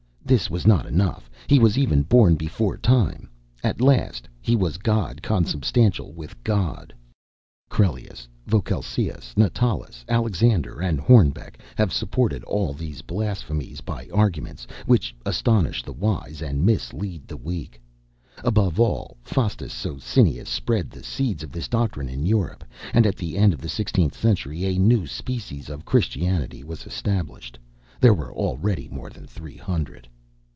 This was not enough; he was even born before time. At last he was God consubstantial with God. Crellius, Voquelsius, Natalis, Alexander, and Hornbeck, have supported all these blasphemies by arguments, which astonish the wise and mislead the weak. Above all, Faustus Socinus spread the seeds of this doctrine in Europe; and at the end of the sixteenth century, a new species of Christianity was established. There were already more than three hundred.